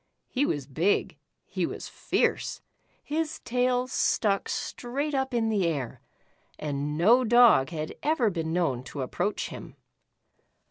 He was big, he was fierce, his tail stuck straight up in the air, and no dog had ever been known to ap proach him.